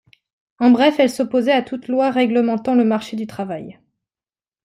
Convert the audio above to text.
En bref, elle s'opposait à toute loi réglementant le marché du travail.